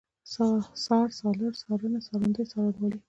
څار، څارل، څارنه، څارندوی، څارنوالي